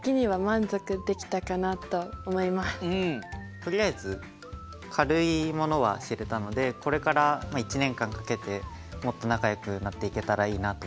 とりあえず軽いものは知れたのでこれから１年間かけてもっと仲よくなっていけたらいいなと思います。